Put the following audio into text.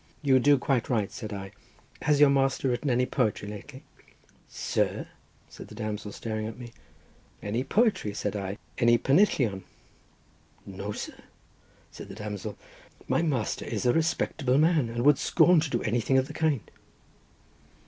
"You do quite right," said I. "Has your master written any poetry lately?" "Sir!" said the damsel, staring at me. "Any poetry," said I, "any pennillion?" "No, sir," said the damsel; "my master is a respectable man, and would scorn to do anything of the kind."